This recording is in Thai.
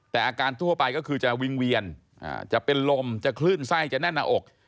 แต่อาการทั่วไปก็คือจะวิ่งเวียนจะเป็นลมจะคลื่นไส้จะแน่นหน้าอก